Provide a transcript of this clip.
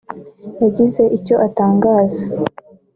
yagize icyo atangaza